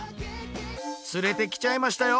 連れてきちゃいましたよ！